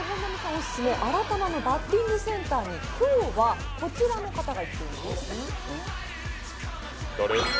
オススメあらたまバッティングセンターに今日はこの方が行っています。